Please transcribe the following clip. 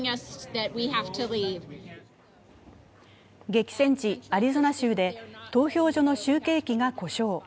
激戦地アリゾナ州で投票所の集計機が故障。